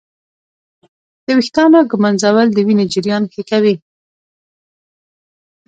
د ویښتانو ږمنځول د وینې جریان ښه کوي.